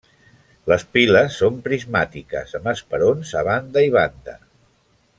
Les piles són prismàtiques amb esperons a banda i banda.